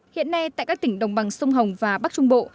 hiện nay tại các tỉnh đồng bằng sông hồng và bắc trung bộ